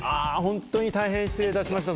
大変失礼いたしました。